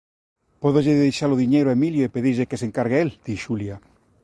Pódolle deixa-lo diñeiro a Emilio e pedirlle que se encargue el –di Xulia–.